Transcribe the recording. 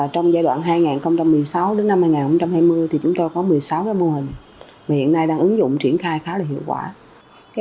trong giai đoạn hai nghìn một mươi sáu đến năm hai nghìn hai mươi thì chúng tôi có một mươi sáu mô hình mà hiện nay đang ứng dụng triển khai khá là hiệu quả